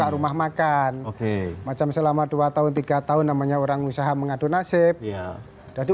rumah makan oke macam selama dua tahun tiga tahun namanya orang usaha mengadu nasib ya jadi